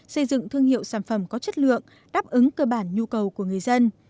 xây dựng thương hiệu sản phẩm có chất lượng đáp ứng cơ bản nhu cầu của người dân